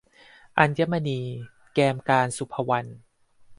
อัญมณี - แกมกาญจน์ ศุภวรรณ